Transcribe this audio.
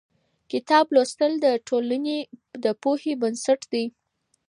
کتاب لوستل د ټولنې د پوهې بنسټ دی.